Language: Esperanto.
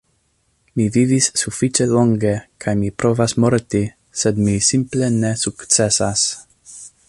Mi vivis sufiĉe longe kaj mi provas morti, sed mi simple ne sukcesas.